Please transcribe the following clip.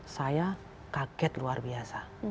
saya kaget luar biasa